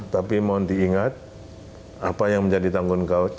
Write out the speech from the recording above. tapi mohon diingat apa yang menjadi tanggung jawab